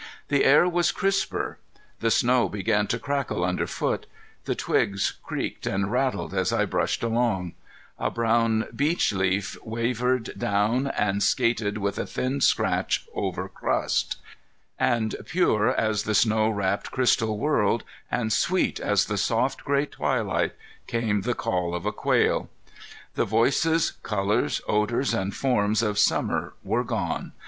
The air was crisper; the snow began to crackle under foot; the twigs creaked and rattled as I brushed along; a brown beech leaf wavered down and skated with a thin scratch over crust; and pure as the snow wrapped crystal world, and sweet as the soft gray twilight, came the call of a quail. The voices, colors, odors, and forms of summer were gone.